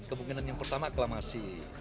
kemungkinan yang pertama aklamasi